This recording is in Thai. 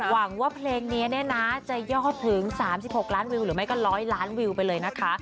หวังว่าเพลงนี้เนี่ยนะจะยอดถึง๓๖ล้านวิวหรือไม่ก็๑๐๐ล้านวิวไปเลยนะคะ